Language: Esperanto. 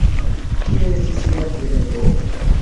Kie estis mia prudento?